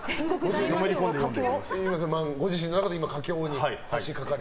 ご自身の中で佳境に差し掛かり。